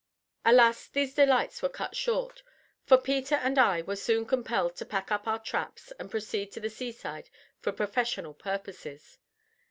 Alas! these delights were cut short, for Peter and I were soon compelled to pack up our traps and proceed to the seaside for professional purposes.